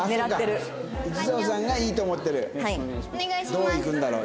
どういくんだろう？